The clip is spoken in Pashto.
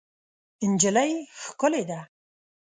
نجلۍ ښکلې ده.